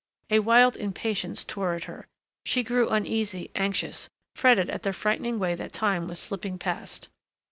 A wild impatience tore at her. She grew uneasy, anxious, fretted at the frightening way that time was slipping past....